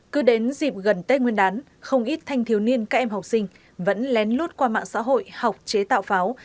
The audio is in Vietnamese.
cứ đến dịp gần tết nguyên đán không ít thanh thiếu niên các em học sinh vẫn lén lút qua mạng xã hội học chế tạo pháo